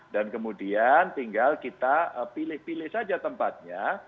dan kemudian tinggal kita pilih pilih saja tempatnya